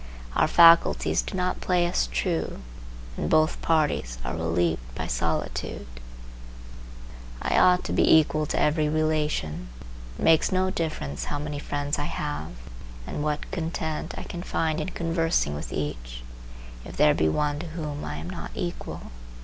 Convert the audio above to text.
Our faculties do not play us true, and both parties are relieved by solitude. I ought to be equal to every relation. It makes no difference how many friends I have and what content I can find in conversing with each, if there be one to whom I am not equal.